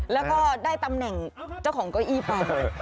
แล้วก็ได้ตำแหน่งเจ้าของเก้าอี้ไป